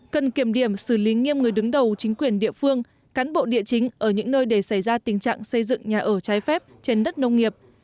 cần kiểm điểm xử lý nghiêm người đứng đầu chính quyền địa phương cán bộ địa chính ở những nơi để xảy ra tình trạng xây dựng nhà ở trái phép trên đất nông nghiệp